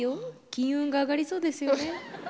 金運が上がりそうですよね。